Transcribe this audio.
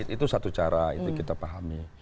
itu satu cara itu kita pahami